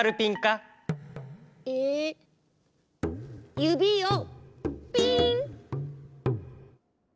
ゆびをピン！